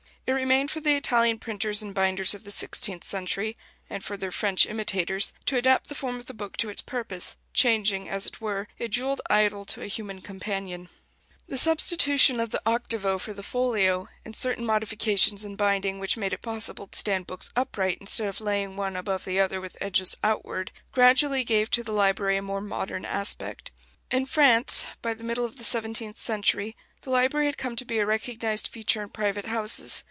It remained for the Italian printers and binders of the sixteenth century, and for their French imitators, to adapt the form of the book to its purpose, changing, as it were, a jewelled idol to a human companion. [Illustration: PLATE XLVIII. SMALL LIBRARY AT AUDLEY END, ENGLAND. XVIII CENTURY.] The substitution of the octavo for the folio, and certain modifications in binding which made it possible to stand books upright instead of laying one above the other with edges outward, gradually gave to the library a more modern aspect. In France, by the middle of the seventeenth century, the library had come to be a recognized feature in private houses.